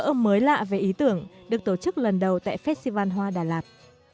các bộ phim mới lạ về ý tưởng được tổ chức lần đầu tại festival hoa đà lạt